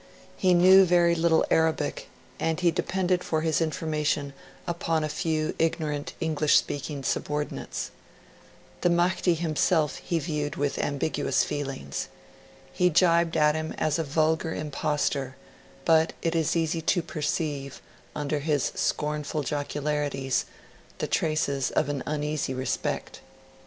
He knew very little Arabic, and he depended for his information upon a few ignorant English speaking subordinates. The Mahdi himself he viewed with ambiguous feelings. He jibed at him as a vulgar impostor; but it is easy to perceive, under his scornful jocularities, the traces of an uneasy respect.